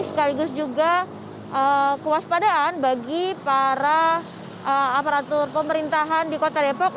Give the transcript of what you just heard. sekaligus juga kewaspadaan bagi para aparatur pemerintahan di kota depok